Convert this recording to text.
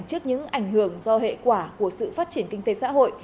trước những ảnh hưởng do hệ quả của sự phát triển kinh tế xã hội